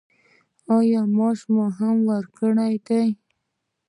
ایا مالش مو کړی دی؟